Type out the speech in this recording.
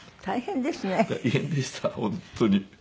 大変でした本当に。